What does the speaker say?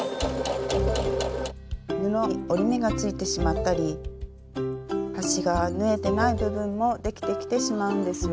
布に折り目がついてしまったり端が縫えてない部分もできてきてしまうんですよ。